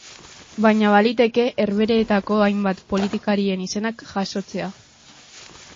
Baina baliteke Herbehereetako hainbat politikarien izenak jasotzea.